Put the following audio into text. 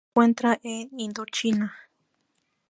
Se encuentra en Indochina.